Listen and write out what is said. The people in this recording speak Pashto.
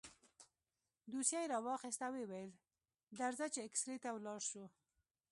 دوسيه يې راواخيسته ويې ويل درځه چې اكسرې ته ولاړ شو.